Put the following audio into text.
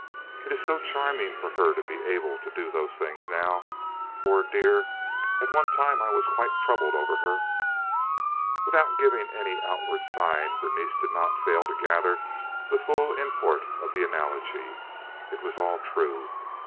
It is so charming for her to be able to do those things now. Poor dear! At one time I was quite troubled over her." Without giving any outward sign Berenice did not fail to gather the full import of the analogy. It was all true.